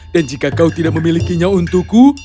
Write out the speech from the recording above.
dan jika kau tidak memilikinya untukku